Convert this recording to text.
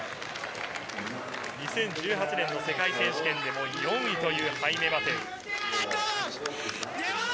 ２０１８年の世界選手権でも４位というハイメ・マテウ。